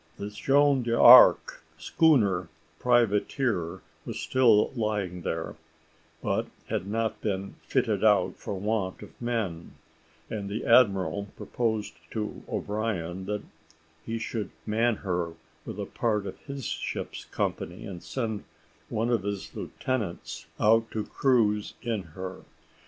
The Joan d'Arc schooner privateer was still lying there, but had not been fitted out for want of men; and the admiral proposed to O'Brien that he should man her with a part of his ship's company, and send one of his lieutenants out to cruise in her.